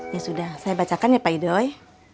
ya sudah saya bacakan ya pak idoy